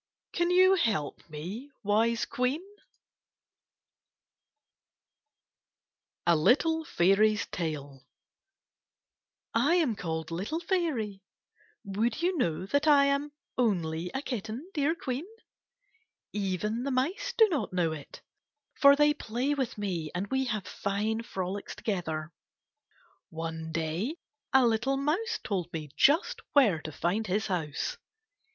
Can you help me, wise Queen? 60 KITTBTifS AND OATS A LITTLE FAIRY'S TALE I am called Little Fairy. Would you know that I am only a kitten, dear Queen? Even the mice do not know it, for they play with me and we have fine frolics together. One day a little mouse told me just where to find his house.